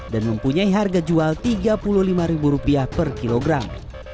dan mempunyai harga jual tiga puluh lima ribu rupiah per kilogram